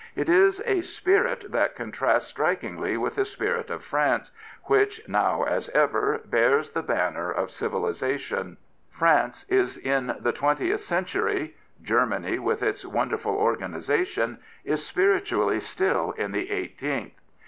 It is a spirit that contrasts strikingly with the spirit of France, which, now as ever, bears the banner of civilisation. France is in the Twentieth Century: Gennany, with all its wonderful organisa tion, is spiritually still in the Eighteenth.